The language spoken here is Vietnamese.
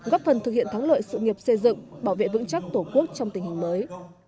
góp phần thực hiện thắng lợi sự nghiệp xây dựng bảo vệ vững chắc tổ quốc trong tình hình mới